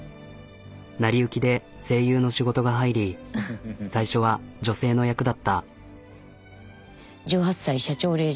成り行きで声優の仕事が入り最初は女性の役だった。